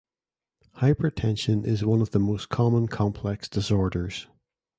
Hypertension is one of the most common complex disorders.